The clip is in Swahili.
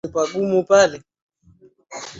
isaka mkurugenzi mkuu wa ssra